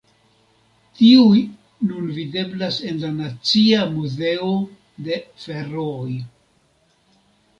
Tiuj nun videblas en la Nacia Muzeo de Ferooj.